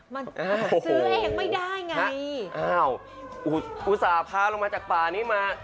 มันซื้อเองไม่ได้ไงอ้าวอุตส่าห์พาลงมาจากป่านี้มา